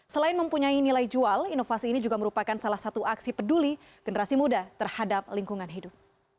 selain mempunyai nilai jual inovasi ini juga merupakan salah satu aksi peduli generasi muda terhadap lingkungan hidup